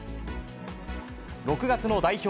６月の代表